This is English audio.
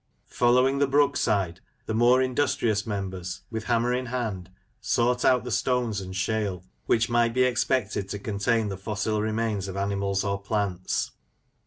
Following the brook side, the more industrious members, with hammer in hand, sought out the stones and shale which might be expected to contain the fossil remains of animals or plants.